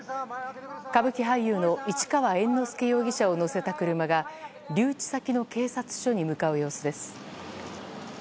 歌舞伎俳優の市川猿之助容疑者を乗せた車が留置先の警察署に向かう様子です。